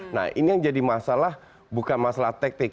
nah ini yang jadi masalah bukan masalah taktik